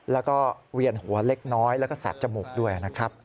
แล้วก็เวียนหัวเล็กน้อยแล้วก็แสบจมูกด้วยนะครับ